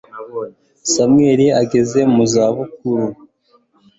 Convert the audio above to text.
samweli ageze mu zabukuru